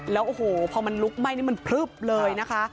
แล้วโอ้โหพอมันลุกไหม้นี่มันพลึบเลยนะคะ